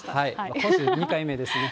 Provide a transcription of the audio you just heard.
今週２回目ですね。